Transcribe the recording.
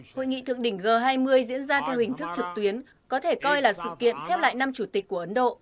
hội nghị thượng đỉnh g hai mươi diễn ra theo hình thức trực tuyến có thể coi là sự kiện khép lại năm chủ tịch của ấn độ